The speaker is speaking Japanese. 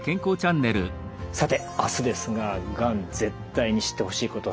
さて明日ですががん絶対に知ってほしいこと３選